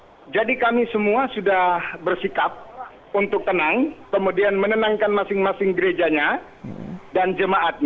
ya jadi kami semua sudah bersikap untuk tenang kemudian menenangkan masing masing gerejanya dan jemaatnya